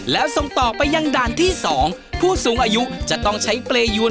แล้วส่งต่อไปยังด่านที่๒ผู้สูงอายุจะต้องใช้เปรยวน